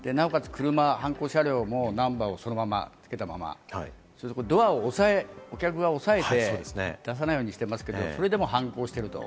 車、犯行車両もナンバーをそのままつけたまま、ドアを押さえ、お客が押えて出さないようにしてますけど、それでも犯行をしてると。